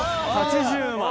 ８０万。